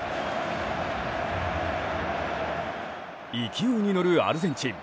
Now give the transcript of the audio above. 勢いに乗るアルゼンチン。